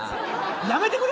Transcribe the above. やめてくれよ